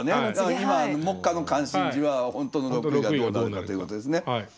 今目下の関心事はほんとの６位がどうなるかっていうことですね。